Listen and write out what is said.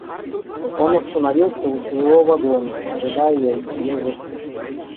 Он остановился у своего вагона, ожидая ее выхода.